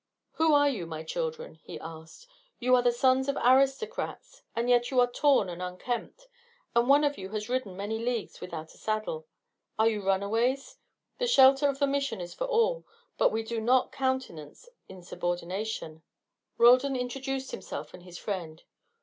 "Who are you, my children?" he asked. "You are the sons of aristocrats, and yet you are torn and unkempt, and one of you has ridden many leagues without a saddle. Are you runaways? The shelter of the Mission is for all, but we do not countenance insubordination." Roldan introduced himself and his friend.